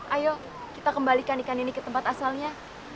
ayo kita kembalikan ikan ini ke tempat asalnya